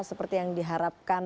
seperti yang diharapkan